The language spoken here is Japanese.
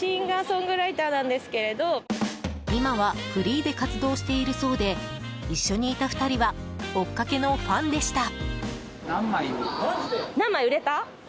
今はフリーで活動しているそうで一緒にいた２人は追っかけのファンでした。